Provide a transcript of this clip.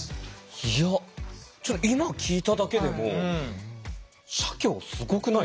いやちょっと今聞いただけでも社協すごくない？